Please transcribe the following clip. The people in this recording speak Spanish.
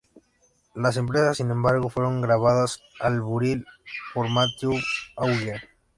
Las empresas, sin embargo, fueron grabadas al buril por Mathieu Augier.